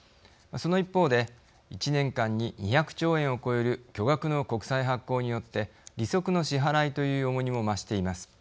その一方で１年間に２００兆円を超える巨額の国債発行によって利息の支払いという重荷も増しています。